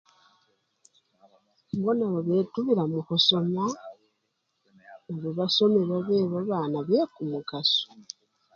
Mbonabo betubila mukhusoma , nabo basome babe babana bekumukaso.